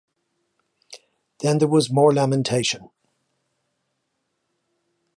Then there was more lamentation.